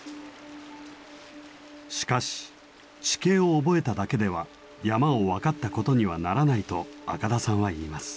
しかし地形を覚えただけでは山を分かったことにはならないと赤田さんは言います。